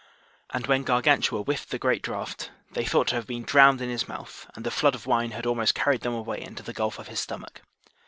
And when Gargantua whiffed the great draught, they thought to have been drowned in his mouth, and the flood of wine had almost carried them away into the gulf of his stomach.